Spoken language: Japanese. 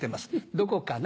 どこかな？